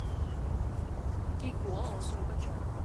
結果我睡不著